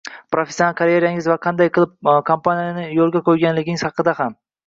professional karyerangiz va qanday qilib kompaniyani yoʻlga qoʻyganligingiz haqida ham.